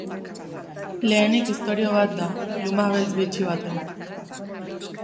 Lehenik ixtorio bat da, luma beltz bitxi batena.